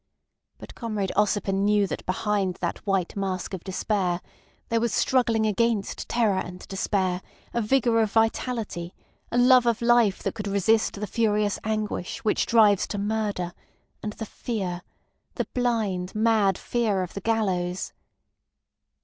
But Comrade Ossipon knew that behind that white mask of despair there was struggling against terror and despair a vigour of vitality, a love of life that could resist the furious anguish which drives to murder and the fear, the blind, mad fear of the gallows.